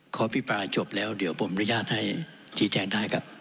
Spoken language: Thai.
อภิปรายจบแล้วเดี๋ยวผมอนุญาตให้ชี้แจงได้ครับ